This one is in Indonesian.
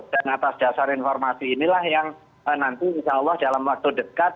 dan atas dasar informasi inilah yang nanti insya allah dalam waktu dekat